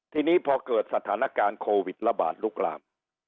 ทีนี้พอเกิดสถานการณ์โควิดระบาดลุกลาม